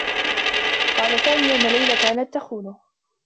قال سامي أنّ ليلى كانت تخونه.